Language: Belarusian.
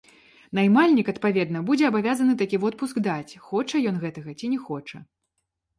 Наймальнік, адпаведна, будзе абавязаны такі водпуск даць, хоча ён гэтага ці не хоча.